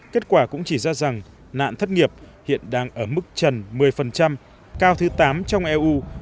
kết quả cũng chỉ ra rằng nạn thất nghiệp hiện đang ở mức trần một mươi cao thứ tám trong eu